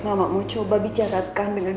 mamak mau coba bicarakan dengan